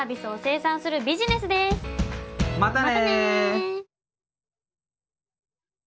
またね。